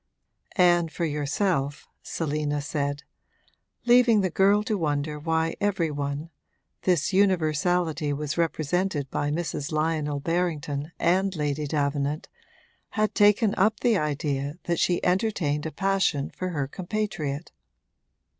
'And for yourself,' Selina said, leaving the girl to wonder why every one (this universality was represented by Mrs. Lionel Berrington and Lady Davenant) had taken up the idea that she entertained a passion for her compatriot.